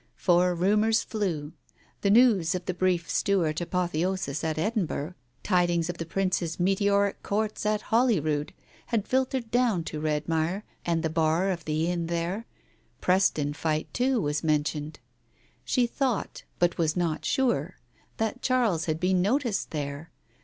... For rumours flew. The news of the brief Stuart apotheosis at Edinburgh, tidings of the Prince's meteoric Court at Holyrood, had filtered down to Redmire, and the bar of the inn there. Preston fight, too, was men tioned. She thought, but was not sure, that Charles had been noticed there.